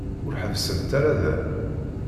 Ur ḥebbsemt ara da.